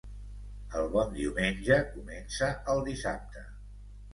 El bon diumenge comença el dissabte.